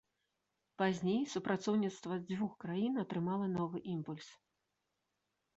Пазней супрацоўніцтва дзвюх краін атрымала новы імпульс.